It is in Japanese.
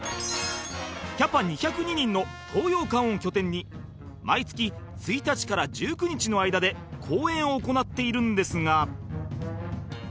キャパ２０２人の東洋館を拠点に毎月１日から１９日の間で公演を行っているんですが